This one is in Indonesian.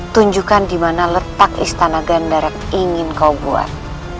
tunjukkan di mana letak istana gandar ingin kau buat